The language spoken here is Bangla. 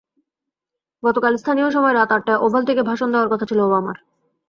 গতকাল স্থানীয় সময় রাত আটটায় ওভাল থেকে ভাষণ দেওয়ার কথা ছিল ওবামার।